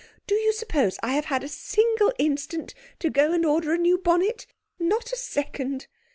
Do you suppose I have had a single instant to go and order a new bonnet? Not a second!